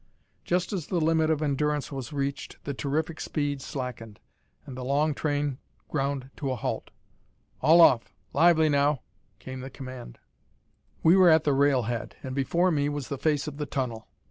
Just as the limit of endurance was reached the terrific speed slackened, and the long train ground to a halt. "All off! Lively now!" came the command. We were at the rail head, and before me was the face of the tunnel.